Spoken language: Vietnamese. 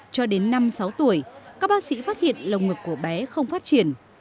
cho đến năm sáu tuổi các bác sĩ phát hiện lồng ngực của bé không phát triển